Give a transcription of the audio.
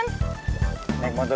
nggak peduli tuh